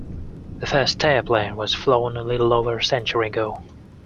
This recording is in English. The first airplane was flown a little over a century ago.